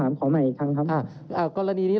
เรามีการปิดบันทึกจับกลุ่มเขาหรือหลังเกิดเหตุแล้วเนี่ย